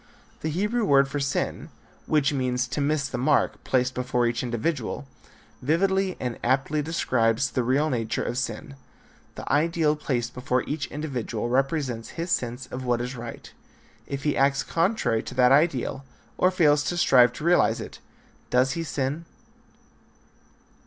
The Hebrew word for sin (which means to miss the mark placed before each individual) vividly and aptly describes the real nature of sin. The ideal placed before each individual represents his sense of what is right. If he acts contrary to that ideal or fails to strive to realize it, does he sin?